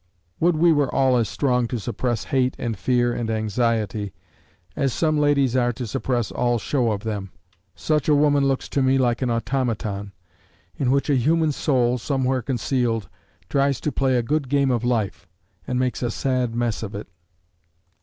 Would we were all as strong to suppress hate and fear and anxiety as some ladies are to suppress all show of them! Such a woman looks to me like an automaton, in which a human soul, somewhere concealed, tries to play a good game of life, and makes a sad mess of it.